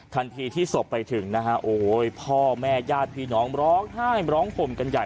ทันทีที่ศพไปถึงพ่อแม่ญาติพี่น้องร้องผมกันใหญ่